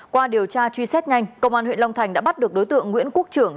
qua điều tra truy xét nhanh công an huyện long thành đã bắt được đối tượng nguyễn quốc trưởng